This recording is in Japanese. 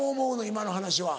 今の話は。